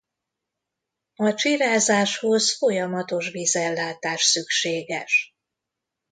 A csírázáshoz folyamatos vízellátás szükséges.